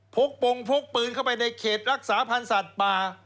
ปงพกปืนเข้าไปในเขตรักษาพันธ์สัตว์ป่า